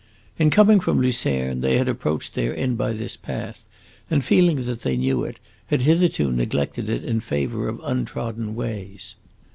In coming from Lucerne they had approached their inn by this path, and, feeling that they knew it, had hitherto neglected it in favor of untrodden ways.